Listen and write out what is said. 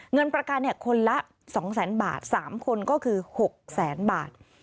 เงินประกันคนละ๒๐๐๐๐บาท๓คนก็คือ๖แสนบาท